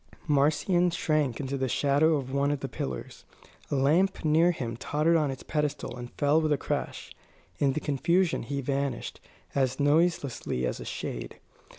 Marcion shrank into the shadow of one of the pillars. A lamp near him tottered on its pedestal and fell with a crash. In the confusion he vanished, as noiselessly as a shade.